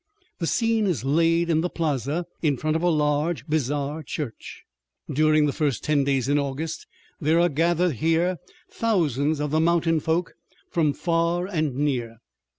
The scene is laid in the plaza in front of a large, bizarre church. During the first ten days in August there are gathered here thousands of the mountain folk from far and near.